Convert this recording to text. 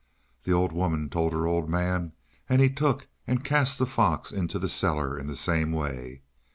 The old woman told her old man, and he took and cast the fox into the cellar in the same way.